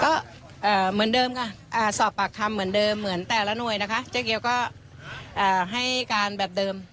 ก็เหมือนเดิมค่ะสอบปากคำเหมือนเดิมเหมือนแต่ละหน่วยนะคะเจ๊เกียวก็ให้การแบบเดิม